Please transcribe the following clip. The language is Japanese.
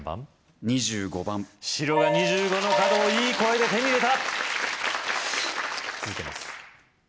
２５番白が２５の角をいい声で手に入れた続けます